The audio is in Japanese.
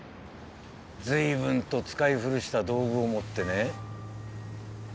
ずいぶんと使い古した道具を持ってね